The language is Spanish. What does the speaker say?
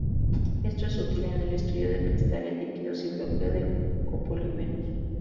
Esto es útil en el estudio de cristales líquidos y bloqueo de copolímeros.